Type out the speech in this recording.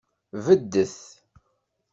Beddet.